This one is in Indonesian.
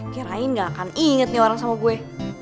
kirain gak akan inget nih orang sama gue